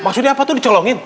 maksudnya apa tuh dicolongin